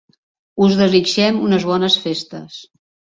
Us desitgem unes bones festes.